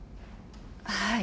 はい。